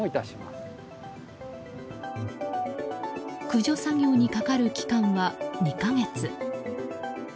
駆除作業にかかる期間は２か月。